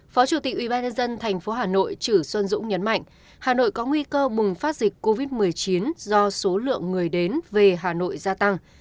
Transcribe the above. phó chủ tịch ubnd tp hà nội chử xuân dũng nhấn mạnh hà nội có nguy cơ bùng phát dịch covid một mươi chín do số lượng người đến về hà nội gia tăng